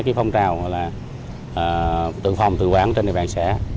phát động rãi thì phong trào tự phòng tự quản trên địa bàn xã